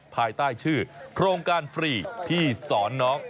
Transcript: ภายใต้ชื่อโครงการฟรีที่สอนน้อง